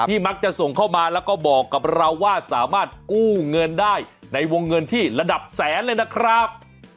มักจะส่งเข้ามาแล้วก็บอกกับเราว่าสามารถกู้เงินได้ในวงเงินที่ระดับแสนเลยนะครับ